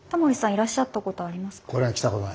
いらっしゃったことありますか？